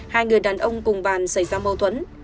hai người đàn ông cùng bàn xảy ra mâu thuẫn